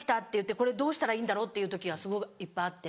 これどうしたらいいんだろうっていう時がいっぱいあって。